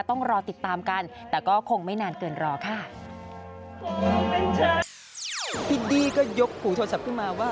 ต้องรอติดตามกันแต่ก็คงไม่นานเกินรอค่ะ